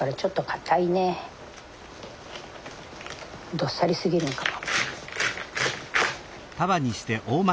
どっさりすぎるのかも。